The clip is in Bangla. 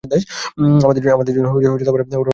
আমাদের জন্য ওরা লড়াই করছে, তাই না?